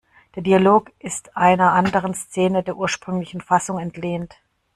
Der Dialog ist einer anderen Szene der ursprünglichen Fassung entlehnt.